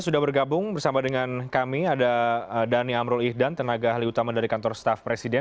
sudah bergabung bersama dengan kami ada dhani amrul ihdan tenaga ahli utama dari kantor staff presiden